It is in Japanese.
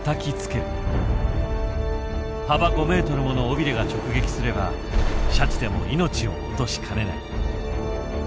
幅５ｍもの尾びれが直撃すればシャチでも命を落としかねない。